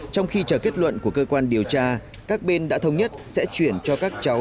trong khi chờ kết luận của cơ quan điều tra các bên đã thống nhất sẽ chuyển cho các cháu